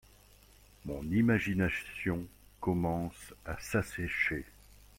Mon imagination commence à s’assécher.